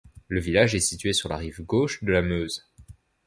Le village est situé sur la rive gauche de la Meuse.